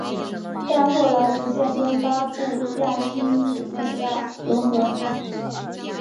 但后来逐渐跟巴布亚新几内亚融合。